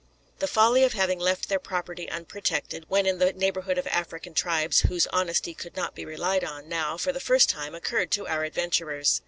The folly of having left their property unprotected, when in the neighbourhood of African tribes whose honesty could not be relied on, now, for the first time, occurred to our adventurers.